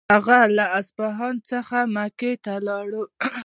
هغه له اصفهان څخه مکې ته ولاړ.